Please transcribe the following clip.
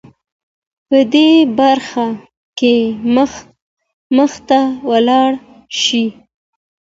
په دې برخه کې مخته ولاړه شې .